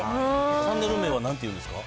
チャンネル名はなんていうんですか？